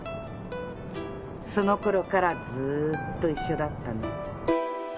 そのころからずーっと一緒だったの。